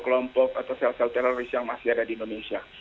kelompok atau sel sel teroris yang masih ada di indonesia